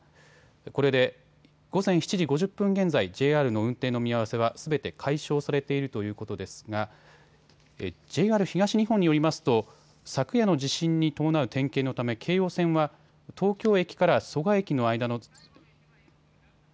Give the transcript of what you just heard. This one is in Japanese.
これで午前７時５０分現在ＪＲの運転の見合わせはすべて解消されているということですがＪＲ東日本によりますと昨夜の地震に伴う点検のため京葉線は東京駅から蘇我駅の間の。